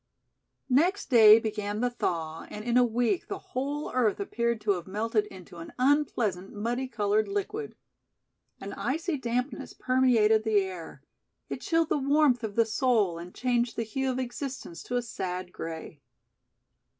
Next day began the thaw and in a week the whole earth appeared to have melted into an unpleasant muddy colored liquid. An icy dampness permeated the air. It chilled the warmth of the soul and changed the hue of existence to a sad gray.